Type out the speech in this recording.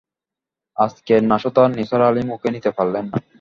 আজকের নাশতা নিসার আলি মুখে নিতে পারলেন না।